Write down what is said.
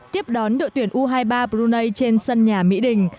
tiếp đón đội tuyển u hai mươi ba brunei trên sân nhà mỹ đình